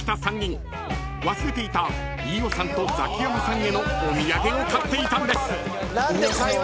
［忘れていた飯尾さんとザキヤマさんへのお土産を買っていたんです］